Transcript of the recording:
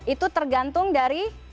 itu tergantung dari